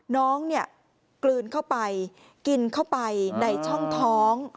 น้องเนี่ยกลืนเข้าไปกินเข้าไปในช่องท้อง